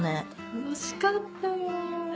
楽しかったよ。